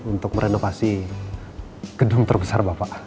untuk merenovasi gedung terbesar bapak